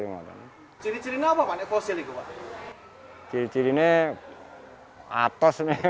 pasang dan menjadikan pewarna difitrah di dalam samping bumi